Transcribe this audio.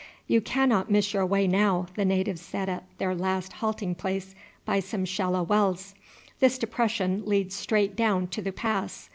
"You cannot miss your way now," the native said at their last halting place by some shallow wells. "This depression leads straight down to the pass.